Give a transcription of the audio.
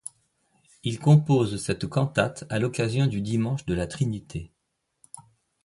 Il compose cette cantate à l'occasion du dimanche de la Trinité.